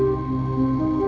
tidak ada yang tahu